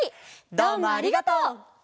どうもありがとう！